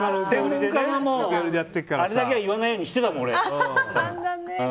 あれだけは言わないようにしてたもん、俺。